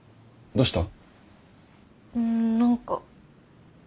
どうした？